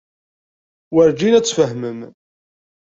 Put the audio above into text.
Werǧin ad tfehmem.